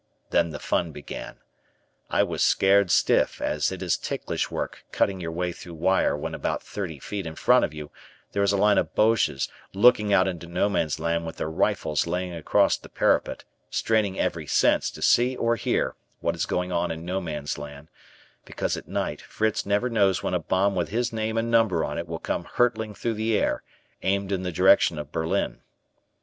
Then the fun began. I was scared stiff as it is ticklish work cutting your way through wire when about thirty feet in front of you there is a line of Boches looking out into No Man's Land with their rifles lying across the parapet, straining every sense to see or hear what is going on in No Man's Land; because at night, Fritz never knows when a bomb with his name and number on it will come hurtling through the air aimed in the direction of Berlin.